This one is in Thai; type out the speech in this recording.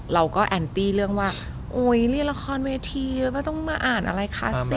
เราก็แอนตี้เรื่องว่าเรียนละครเวทีแล้วก็ต้องมาอ่านอะไรคลาสสิก